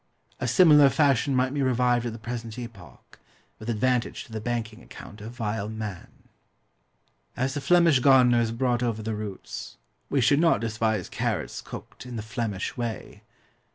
A similar fashion might be revived at the present epoch, with advantage to the banking account of vile man. As the Flemish gardeners brought over the roots, we should not despise carrots cooked in the FLEMISH way.